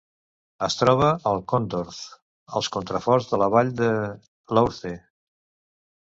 Es troba al Condroz, als contraforts de la vall de l'Ourthe.